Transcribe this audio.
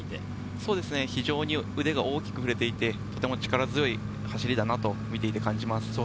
非常に腕が大きく振れていて、力強い走りだと見ていて感じます。